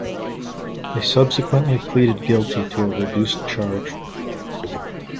They subsequently pleaded guilty to a reduced charge.